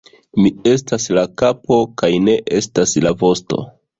Mi estas la kapo, kaj ne estas la vosto!